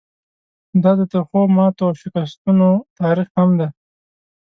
دا د ترخو ماتو او شکستونو تاریخ هم دی.